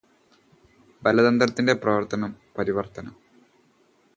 ബലതന്ത്രത്തിൽ പ്രവർത്തനം, പ്രതിപ്രവർത്തനം